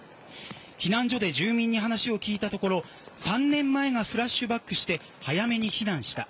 避難所で住民に話を聞いたところ３年前がフラッシュバックして早めに避難した。